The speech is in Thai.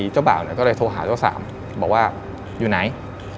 เจ้าบ่าวก็เลยโทรหาเจ้าสามบอกว่าอยู่ไหน